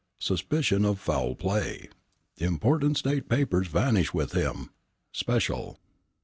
"SUSPICION OF FOUL PLAY. "IMPORTANT STATE PAPERS VANISH WITH HIM. SPECIAL.